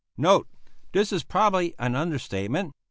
* Note: This is probably an understatement.